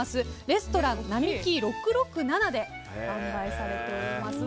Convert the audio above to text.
レストランＮＡＭＩＫＩ６６７で販売されております。